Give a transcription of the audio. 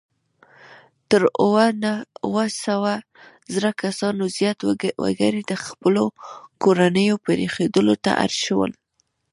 تر اووه سوه زره کسانو زیات وګړي د خپلو کورنیو پرېښودلو ته اړ شول.